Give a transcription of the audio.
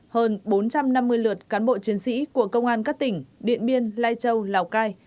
hơn bốn trăm năm mươi lượt cán bộ chiến sĩ của công an các tỉnh điện biên lai châu lào cai